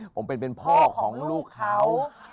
ผมเป็นพ่อของลูกเขา